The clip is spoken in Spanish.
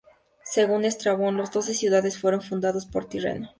Según Estrabón, las doce ciudades fueron fundadas por Tirreno.